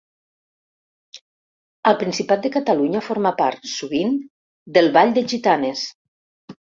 Al Principat de Catalunya forma part, sovint, del ball de gitanes.